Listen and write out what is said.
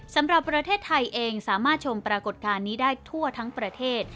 สำหรับประเทศไทยเองสามารถชมปรากฏการณ์นี้ได้ทั่วทั้งประเทศ